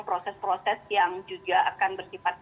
proses proses yang juga akan bersifat